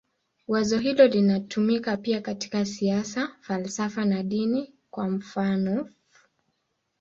Wazo hilo linatumika pia katika siasa, falsafa na dini, kwa mfanof.